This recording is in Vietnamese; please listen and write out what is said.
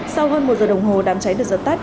sau hơn một giờ đồng hồ đám cháy được giật tắt